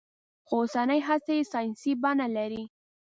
خو اوسنۍ هڅې يې ساينسي بڼه لري.